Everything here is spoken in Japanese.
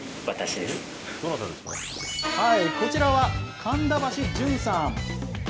こちらは神田橋純さん。